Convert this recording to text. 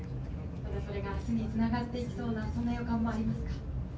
それがかちにつながっていきそうな、そんな予感もありますか。